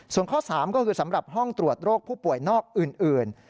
ส่วนข้อ๓ก็คือสำหรับห้องตรวจโรคผู้ป่วยนอกอื่น